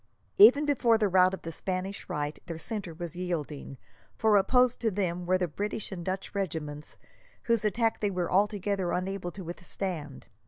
Even before the rout of the Spanish right, their centre was yielding, for opposed to them were the British and Dutch regiments, whose attack they were altogether unable to withstand.